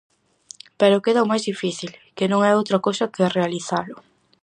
Pero queda o mais difícil, que non é outra cousa que realizalo.